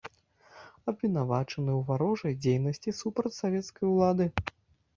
Абвінавачаны ў варожай дзейнасці супраць савецкай улады.